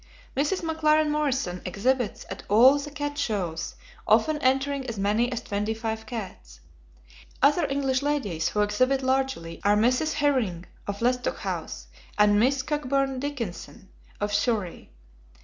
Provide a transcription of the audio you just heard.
Mrs. McLaren Morrison exhibits at all the cat shows, often entering as many as twenty five cats. Other English ladies who exhibit largely are Mrs. Herring, of Lestock House, and Miss Cockburn Dickinson, of Surrey.